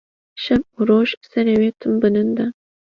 Şev û roj serê wî tim bilinde